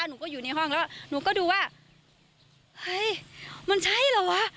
หนูก็อยู่ในห้องแล้วหนูก็ดูว่าเฮ้ยมันใช่เหรอวะ